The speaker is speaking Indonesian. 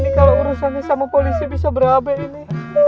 ini kalau urusan sama polisi bisa berapa ini